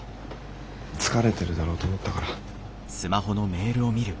疲れてるだろうと思ったから。